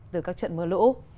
từ các trận mưa lũ